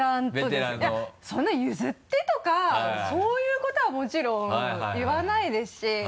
いやそんな「譲って」とかそういうことはもちろん言わないですし。